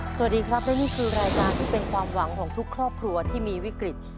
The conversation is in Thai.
สวัสดีครับและนี่คือรายการที่เป็นความหวังของทุกครอบครัวที่มีวิกฤต